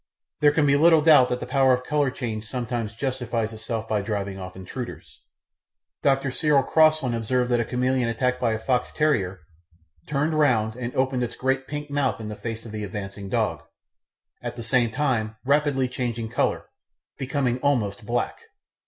There can be little doubt that the power of colour change sometimes justifies itself by driving off intruders. Dr. Cyril Crossland observed that a chameleon attacked by a fox terrier "turned round and opened its great pink mouth in the face of the advancing dog, at the same time rapidly changing colour, becoming almost black.